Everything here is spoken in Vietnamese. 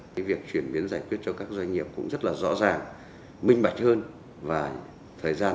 cái việc chuyển biến giải quyết cho các doanh nghiệp cũng rất là rõ ràng minh bạch hơn và thời gian